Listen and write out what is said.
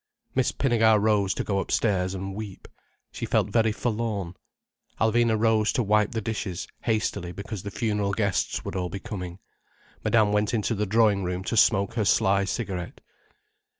Miss Pinnegar rose to go upstairs and weep. She felt very forlorn. Alvina rose to wipe the dishes, hastily, because the funeral guests would all be coming. Madame went into the drawing room to smoke her sly cigarette.